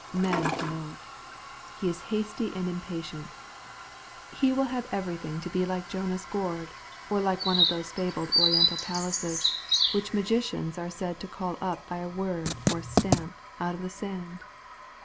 Man cannot. He is hasty and impatient. He will have everything to be like Jonah's gourd, or like one of those fabled oriental palaces, which magicians are said to call up by a word or a stamp, out of the sand.